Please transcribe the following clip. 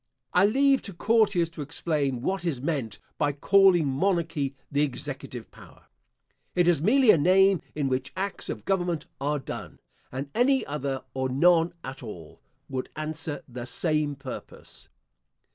I leave to courtiers to explain what is meant by calling monarchy the executive power. It is merely a name in which acts of government are done; and any other, or none at all, would answer the same purpose.